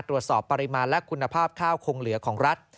ตรวจสอบปริมาณและคุณภาพข้าวคงเหลือของรัฐ